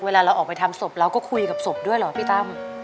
เราออกไปทำศพเราก็คุยกับศพด้วยเหรอพี่ตั้ม